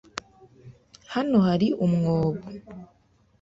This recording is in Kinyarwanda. Hano hari umwobo.